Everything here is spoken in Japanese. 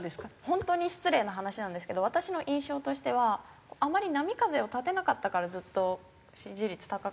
本当に失礼な話なんですけど私の印象としてはあまり波風を立てなかったからずっと支持率高かったのかなと思って。